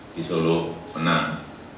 di solo menang